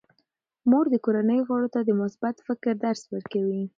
مور د کورنۍ غړو ته د مثبت فکر درس ورکوي.